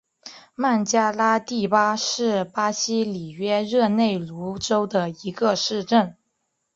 曼加拉蒂巴是巴西里约热内卢州的一个市镇。